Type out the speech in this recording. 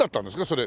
それ。